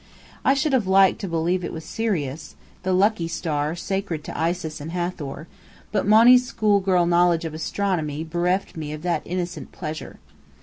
I should have liked to believe it was Sirius, the "lucky" star sacred to Isis and Hathor; but Monny's schoolgirl knowledge of astronomy bereft me of that innocent pleasure.